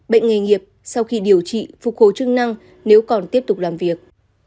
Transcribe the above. bệnh nghề nghiệp sau khi điều trị phục hồi chức năng nếu còn tiếp tục làm việc